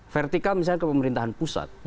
vertika misalnya ke pemerintahan pusat